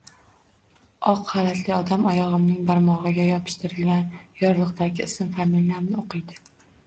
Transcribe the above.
Oq xalatli odam oyogʻimning barmogʻiga yopishtirilgan yorliqdagi ism-familiyamni oʻqiydi.